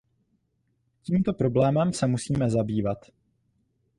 Tímto problémem se musíme zabývat.